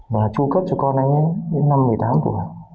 và chu cấp cho con anh đến năm một mươi tám tuổi